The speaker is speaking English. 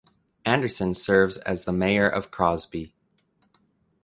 Anderson serves as the mayor of Crosby.